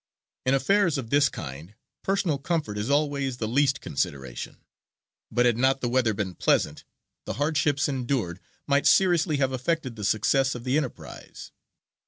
In affairs of this kind personal comfort is always the least consideration, but had not the weather been pleasant, the hardships endured might seriously have affected the success of the enterprise.